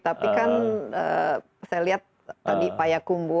tapi kan saya lihat tadi payakumbu